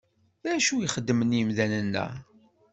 D acu i xeddmen imdanen-a?